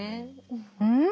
うん？